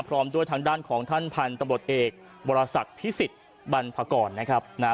พร้อมด้วยทางด้านของท่านพันธุ์ตำรวจเอกบรสักพิสิทธิ์บรรพากรนะครับนะฮะ